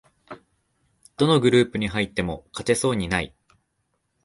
どのグループに入っても勝てそうにない